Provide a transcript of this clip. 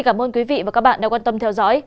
cảm ơn quý vị và các bạn đã quan tâm theo dõi